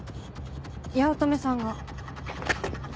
八乙女さんが。